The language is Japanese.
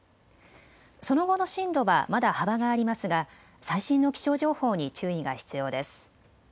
その後の進路はまだ幅がありますが最新の気象情報に注意が必要です。